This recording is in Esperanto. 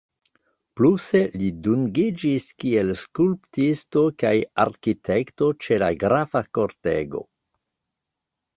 Pluse li dungiĝis kiel skulptisto kaj arkitekto ĉe la grafa kortego.